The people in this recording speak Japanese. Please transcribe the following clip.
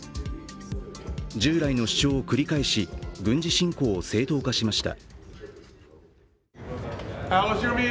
従来の主張を繰り返し、軍事侵攻を正当化しました。